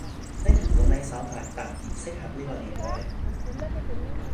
呢套管理手法特別適合呢個年代